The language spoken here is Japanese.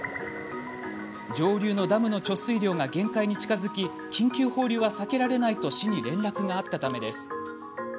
上流のダムの貯水量が限界に近づき緊急放流は避けられないと市に連絡があったためです。